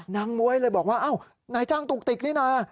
นางบ๊วยเลยบอกว่านายจ้างตุกติกนี่น่ะ